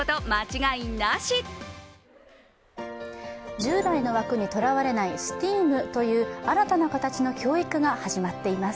従来の枠にとらわれないＳＴＥＡＭという新たな形の教育が始まっています。